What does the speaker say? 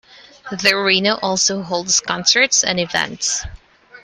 The arena also holds concerts and events.